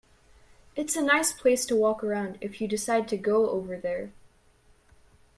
It's a nice place to walk around if you decide to go over there.